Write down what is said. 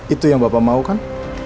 itu yang bapak maukan